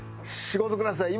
仕事ください。